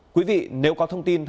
quý vị nếu có thông tin hãy bóng bình